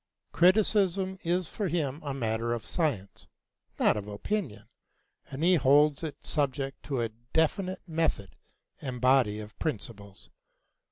Criticism is for him a matter of science, not of opinion, and he holds it subject to a definite method and body of principles.